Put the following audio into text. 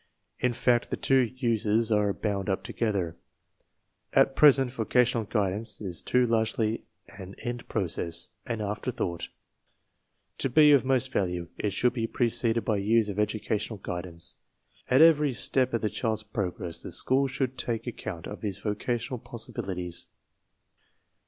In fact, the two uses are bound up together. »At present vocational guidance is too largely an end process, an afterthought. To be of most value it should be preceded by years of educational guidance. At every step in the child's progress the ^ school should take account of his vocational possibili ties.